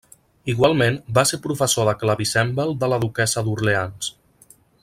Igualment, va ser professor de clavicèmbal de la duquessa d'Orleans.